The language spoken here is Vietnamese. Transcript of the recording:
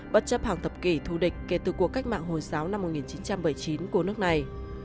bất chấp hàng thập kỷ thu địch kể từ cuộc cách mạng hồi giáo năm một nghìn chín trăm bảy mươi chín của nước này